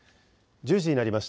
１０時になりました。